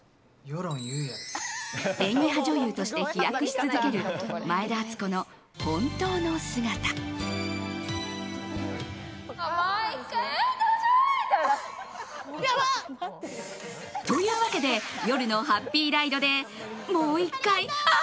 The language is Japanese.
演技派女優として飛躍し続ける前田敦子の本当の姿。というわけで夜のハッピーライドでもう１回、あ！